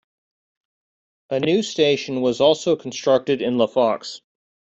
A new station was also constructed in LaFox.